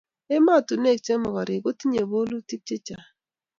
emotinwek che mokorek kotinyei bolutik chechang